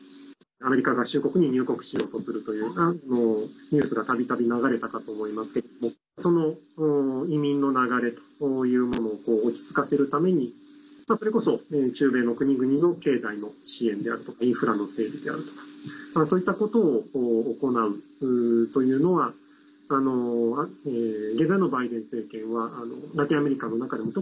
アメリカ合衆国に入国しようとするというニュースがたびたび流れたかと思いますけどその移民の流れというものを落ち着かせるためにそれこそ、中米の国々の経済の支援であったりインフラの整備であるとかそういったことを行うというのは現在のバイデン政権はラテンアメリカの中でも